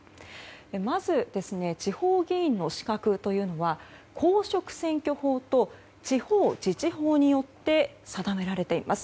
まず、地方議員の資格というのは公職選挙法と地方自治法によって定められています。